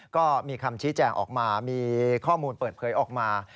ก็มีคำชี้แจงออกมามีข้อมูลเปิดเผยออกมา